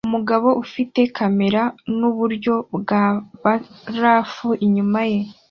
Umugabo ufite kamera nuburyo bwa barafu inyuma ye